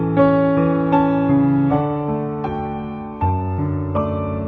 เสียดู